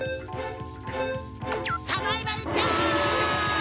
サバイバルチョイス！